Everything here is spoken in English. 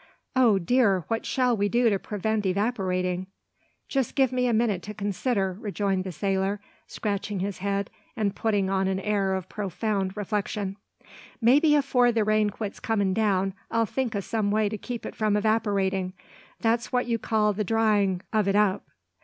"O dear! what shall we do to prevent evaporating?" "Jest give me a minute to consider," rejoined the sailor, scratching his head, and putting on an air of profound reflection; "maybe afore the rain quits comin' down, I'll think o' some way to keep it from evaporating; that's what you call the dryin' o' it up."